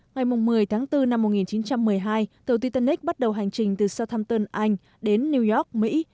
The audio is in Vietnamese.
ngày một mươi tháng bốn năm một nghìn chín trăm một mươi hai tàu titanic bắt đầu hành trình từ southampton anh đến new york mỹ